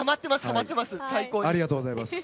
ありがとうございます。